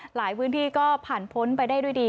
หลายพื้นที่ก็ผ่านพ้นไปได้ด้วยดี